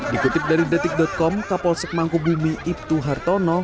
dikutip dari detik com kapolsek mangkubumi ibtu hartono